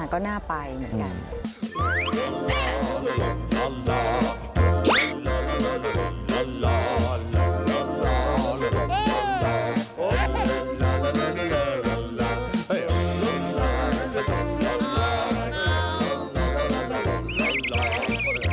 ก็น่าไปเหมือนกัน